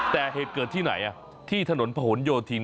แต่เหตุเกิดที่ไหนที่ถนนผนโยธิน